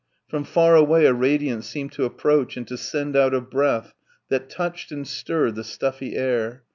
From far away a radiance seemed to approach and to send out a breath that touched and stirred the stuffy air